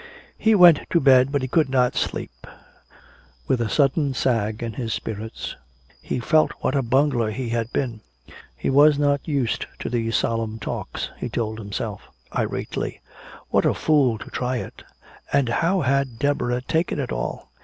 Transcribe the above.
He went to bed but he could not sleep. With a sudden sag in his spirits he felt what a bungler he had been. He was not used to these solemn talks, he told himself irately. What a fool to try it! And how had Deborah taken it all?